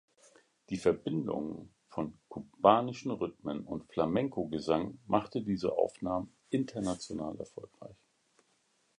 Die Verbindung von kubanischen Rhythmen und Flamenco-Gesang machte diese Aufnahmen international erfolgreich.